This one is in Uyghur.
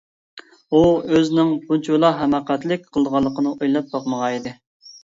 ئۇ ئۆزىنىڭ بۇنچىۋالا ھاماقەتلىك قىلىدىغانلىقىنى ئويلاپ باقمىغان ئىدى.